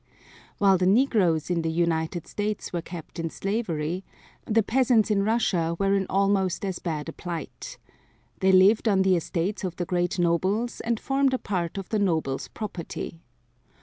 While the negroes in the United States were kept in slavery, the peasants in Russia were in almost as bad a plight. They lived on the estates of the great nobles and formed a part of the nobles' property.